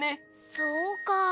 そうか！